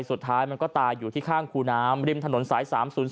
สุดท้ายมันก็ตายอยู่ที่ข้างคูน้ำริมถนนสาย๓๐๔